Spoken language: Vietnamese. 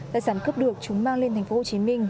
tài sản cấp được chúng mang lên thành phố hồ chí minh